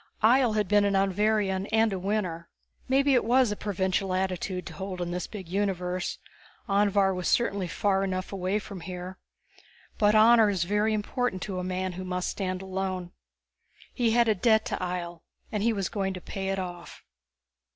Ihjel had been an Anvharian and a Winner. Maybe it was a provincial attitude to hold in this big universe Anvhar was certainly far enough away from here but honor is very important to a man who must stand alone. He had a debt to Ihjel, and he was going to pay it off.